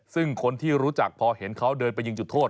ซึ่งคนที่รู้จักพอเห็นเขาเดินไปยิงจุดโทษ